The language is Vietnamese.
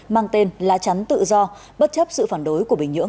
mang tên la chắn tự do bất chấp sự phản đối của bình nhưỡng